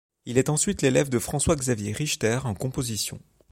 Il est ensuite l'élève de François-Xavier Richter en composition.